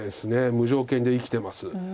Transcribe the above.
無条件で生きてます。